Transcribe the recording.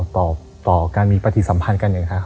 ต่อการมีปฏิสัมพันธ์กัน